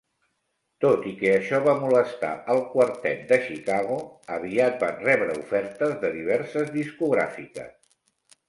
Tot i que això va molestar el quartet de Chicago, aviat van rebre ofertes de diverses discogràfiques.